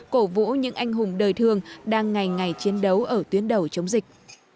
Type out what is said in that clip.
cổ vũ những anh hùng đời thương đang ngày ngày chiến đấu ở tuyến đầu chống dịch